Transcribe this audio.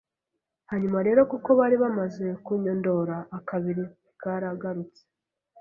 hanyuma rero kuko bari bamaze kunyondora akabiri karagarutse,